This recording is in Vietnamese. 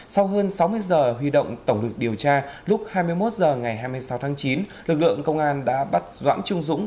sau hơn sáu mươi giờ huy động tổng lực điều tra lúc hai mươi một h ngày hai mươi sáu tháng chín lực lượng công an đã bắt doãn trung dũng